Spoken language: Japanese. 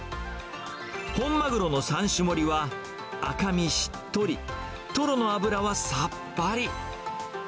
本マグロの三種盛りは、赤身しっとり、トロの脂はさっぱり。